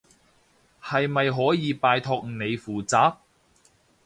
係咪可以拜託你負責？